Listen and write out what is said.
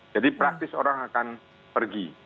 jadi praktis orang akan pergi